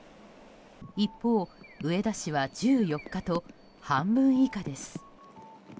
一方、上田市は１４日と半分以下です。